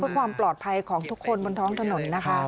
เพื่อความปลอดภัยของทุกคนบนท้องถนนนะคะ